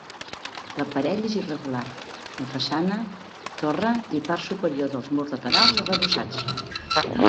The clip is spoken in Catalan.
L'aparell és irregular, amb façana, torre i part superior dels murs laterals arrebossats.